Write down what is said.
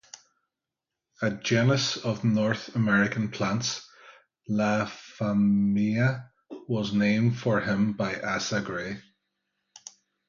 A genus of North American plants, "Laphamia", was named for him by Asa Gray.